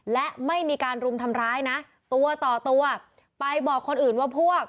และไม่มีการรุมทำร้ายนะตัวต่อตัวไปบอกคนอื่นว่าพวก